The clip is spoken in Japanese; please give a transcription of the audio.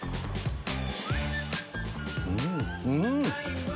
うんうん。